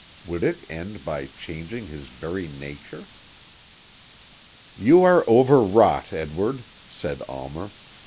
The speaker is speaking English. Would it end by changing his very nature? "You are over wrought, Edward," said Almer.